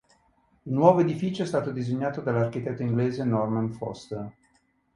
Il nuovo edificio è stato disegnato dall'architetto inglese Norman Foster.